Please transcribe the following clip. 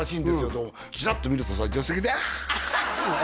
どうもチラッと見るとさ助手席でああ！